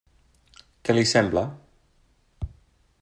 Què li sembla?